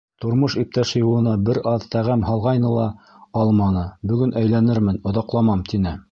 Тормош иптәше юлына бер аҙ тәғәм һалғайны ла, алманы, бөгөн әйләнермен, оҙаҡламам, тине.